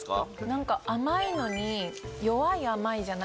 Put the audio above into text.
何か甘いのに。